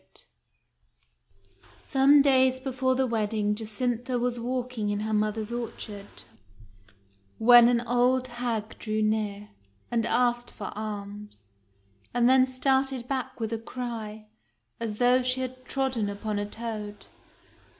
THE MIRROR 47 Some days before the wedding Jacintha was walking in her mother's orchard, when an old hag drew near, and asked for alms, and then started back with a cry, as though she had trodden upon a toad.